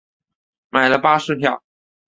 买了巴士票